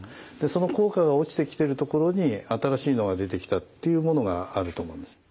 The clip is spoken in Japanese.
その効果が落ちてきてるところに新しいのが出てきたっていうものがあると思うんです。